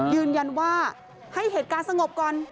ยืนยันว่าให้เหตุการณ์สงบก่อน